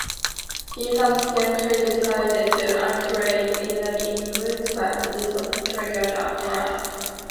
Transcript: He subsequently decided to accelerate the innings, but this only triggered a collapse.